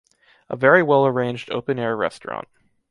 A very well arranged open air restaurant.